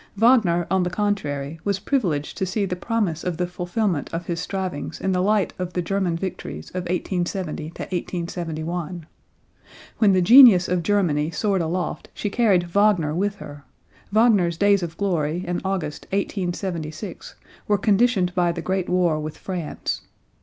Wagner, on the contrary, was privileged to see the promise of the fulfillment of his strivings in the light of the German victories of 1870 1871. When the genius of Germany soared aloft she carried Wagner with her; Wagner's days of glory in August, 1876, were conditioned by the great war with France.